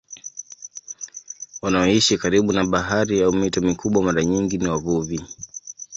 Wanaoishi karibu na bahari au mito mikubwa mara nyingi ni wavuvi.